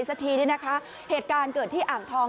สักทีเนี่ยนะคะเหตุการณ์เกิดที่อ่างทอง